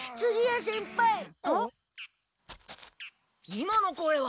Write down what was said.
今の声は？